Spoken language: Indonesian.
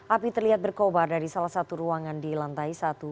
api terlihat berkobar dari salah satu ruangan di lantai satu